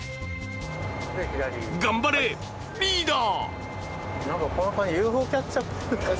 頑張れ、リーダー！